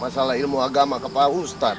masalah ilmu agama kepala ustadz